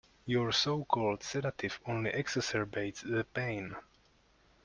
Your so-called sedative only exacerbates the pain.